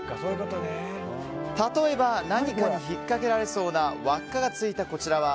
例えば何かにひっかけられそうな輪っかがついたこちらは